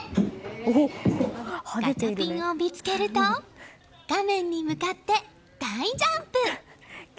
ガチャピンを見つけると画面に向かって、大ジャンプ！